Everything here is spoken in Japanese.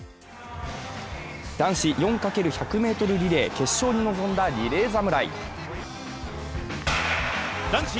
男子４×１００ｍリレー決勝に臨んだリレー侍。